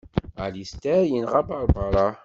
Alister yenɣa Barbara.